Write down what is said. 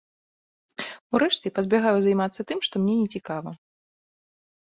Урэшце, пазбягаю займацца тым, што мне нецікава.